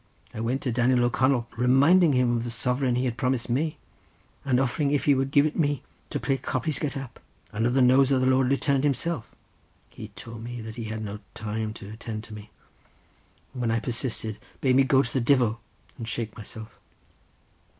I went to Daniel O'Connell reminding him of the sovereign he had promised me, and offering if he gave it me to play 'Croppies Get Up' under the nose of the lord lieutenant himself; but he tould me that he had not time to attend to me, and when I persisted, bade me go to the Divil and shake myself.